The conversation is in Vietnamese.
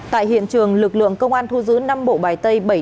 tại hiện trường lực lượng công an thu giữ năm bộ bài tay